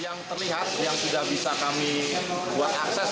yang terlihat yang sudah bisa kami buat akses